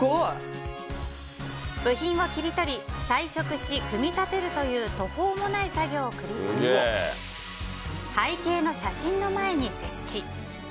部品を切り取り彩色し、組み立てるという途方もない作業を繰り返し背景の写真の前に設置。